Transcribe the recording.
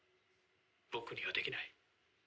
僕にはできない。